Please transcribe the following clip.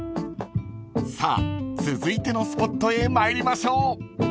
［さあ続いてのスポットへ参りましょう］